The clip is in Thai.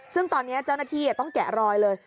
ซึ่งตอนนี้เจ้าหน้าที่ต้องแกะรอยเลย